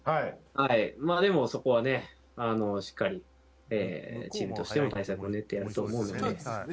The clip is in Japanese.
でも、そこはねしっかりチームとしても対策を練ってやろうと思うので。